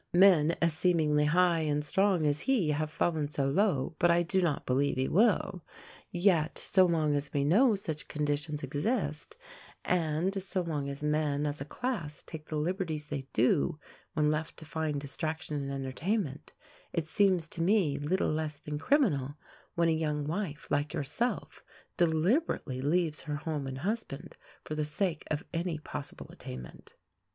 Men as seemingly high and strong as he have fallen so low, but I do not believe he will. Yet, so long as we know such conditions exist, and so long as men as a class take the liberties they do when left to find distraction and entertainment, it seems to me little less than criminal when a young wife like yourself deliberately leaves her home and husband for the sake of any possible attainment.